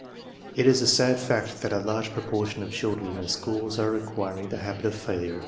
It is a sad fact tliat a large proportion of children in the schools are acquiring the habit of failure.